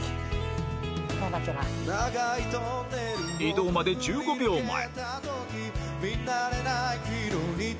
移動まで１５秒前